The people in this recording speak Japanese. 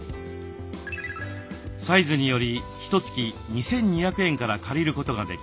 サイズによりひとつき２，２００円から借りることができます。